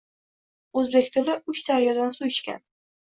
O‘zbek tili uch daryodan suv ichgan